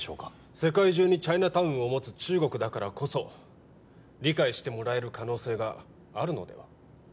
世界中にチャイナタウンを持つ中国だからこそ理解してもらえる可能性があるのでは？